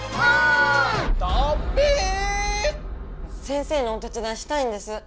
先生のお手つだいしたいんです！